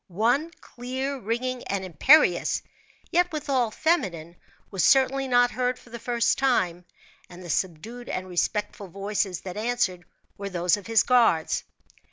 One, clear, ringing, and imperious, yet withal feminine, was certainly not heard for the first time; and the subdued and respectful voices that answered, were those of his guards.